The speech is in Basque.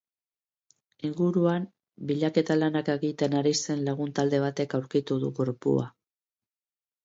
Inguruan bilaketa lanak egiten ari zen lagun-talde batek aurkitu du gorpua.